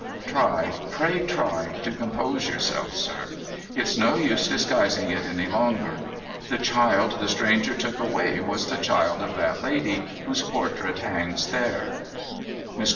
Try, pray try, to compose yourself, sir ! It's no use disguising it any longer. The child the stranger took away was the child of that lady whose portrait hangs there I '. Mr.